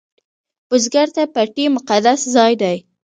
بزګر ته پټی مقدس ځای دی